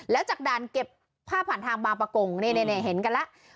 แล้วจากด่านเก็บภาพผ่านทางบางประกงนี่เห็นกันแล้ว